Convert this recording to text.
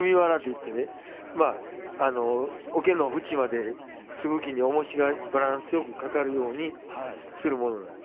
これは、ふちまですぐきに、おもしがバランスよくかかるようにするものです。